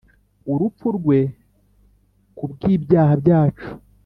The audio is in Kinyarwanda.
urupfu rwe ku bw'ibyaha byacu.